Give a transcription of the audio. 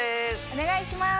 お願いします。